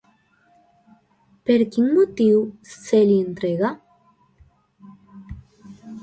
Per quin motiu se li entrega?